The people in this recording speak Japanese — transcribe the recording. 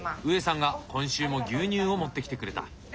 ウエさんが今週も牛乳を持ってきてくれた。